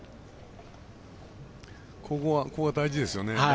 ここは大事ですね。